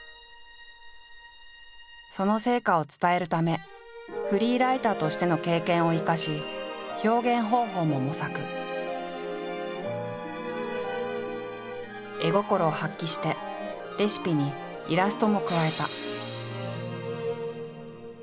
その成果を伝えるためフリーライターとしての経験を生かし絵心を発揮してレシピにイラストも加えた。